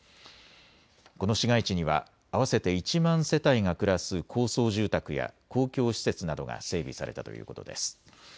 この市街地には合わせて１万世帯が暮らす高層住宅や公共施設などが整備されたということです。